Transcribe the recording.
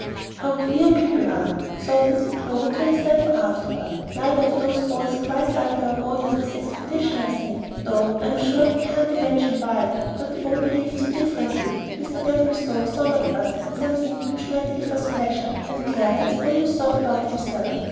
"How queer people are!" thought little Clover to herself afterward. "Neither of those boys quite liked our going on this expedition, I think, though I'm sure I can't imagine why; but they behaved so differently. Mr. Templestowe thought of us and something which might give us pleasure; and Clarence only thought about himself.